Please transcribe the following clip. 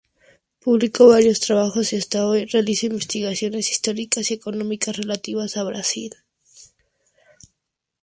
Publicó varios trabajos y hasta hoy realiza investigaciones históricas y económicas relativas a Brasil.